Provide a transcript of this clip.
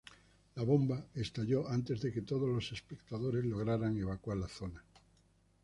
La bomba estalló antes de que todos los espectadores lograran evacuar la zona.